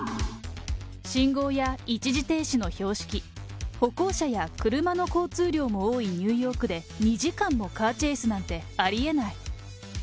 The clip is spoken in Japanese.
信号や一時停止の標識、歩行者や車の交通量も多いニューヨークで２時間もカーチェイスなんて、ありえない。